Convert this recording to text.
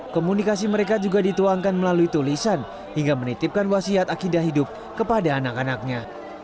komunikasi mereka juga dituangkan melalui tulisan hingga menitipkan wasiat akidah hidup kepada anak anaknya